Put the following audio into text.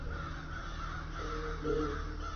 যাতে গবেষণা ও বিজ্ঞান চর্চার অবাধ সুযোগ রয়েছে।